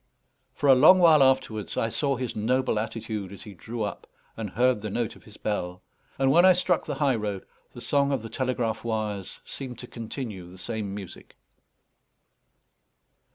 For a long while afterwards I saw his noble attitude as he drew up, and heard the note of his bell; and when I struck the high road, the song of the telegraph wires seemed to continue the same music.